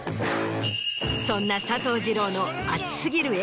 そんな佐藤二朗の。